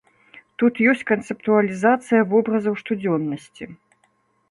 Тут ёсць канцэптуалізацыя вобразаў штодзённасці.